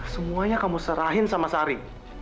semuanya kamu serahin sama sari